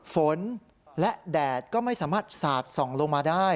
ฝนและแดดก็ไม่สามารถสาดส่องลงมาได้